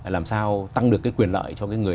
làm sao tăng được cái quyền lợi cho cái người